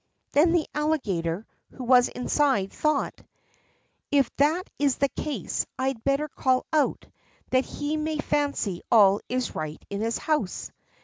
Then the Alligator, who was inside, thought: "If that is the case I had better call out, that he may fancy all is right in his house."